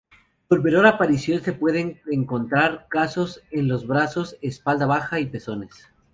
Con menor aparición se pueden encontrar caso en los brazos, espalda baja y pezones.